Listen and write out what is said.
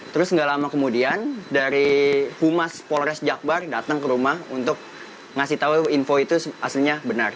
terus nggak lama kemudian dari humas polres jakbar datang ke rumah untuk ngasih tahu info itu aslinya benar